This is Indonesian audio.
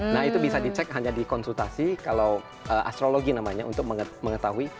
nah itu bisa dicek hanya di konsultasi kalau astrologi namanya untuk mengetahui